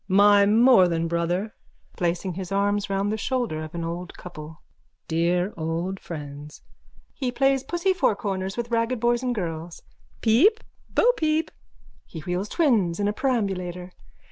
_ My more than Brother! (Placing his arms round the shoulders of an old couple.) Dear old friends! (He plays pussy fourcorners with ragged boys and girls.) Peep! Bopeep! _(He wheels twins in a perambulator.)